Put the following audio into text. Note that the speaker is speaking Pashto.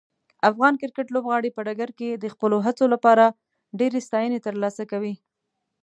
افغان کرکټ لوبغاړي په ډګر کې د خپلو هڅو لپاره ډیرې ستاینې ترلاسه کوي.